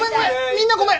みんなごめん！